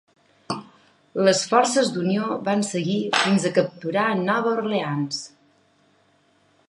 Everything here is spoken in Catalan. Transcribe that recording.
Les forces d'unió van seguir fins a capturar Nova Orleans.